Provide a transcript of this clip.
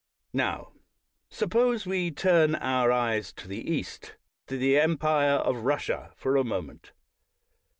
Now, suppose we turn our eyes to the East, to the empire of Russia, for a moment.